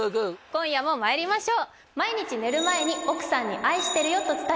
今夜もまいりましょううわ